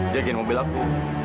jagain mobil aku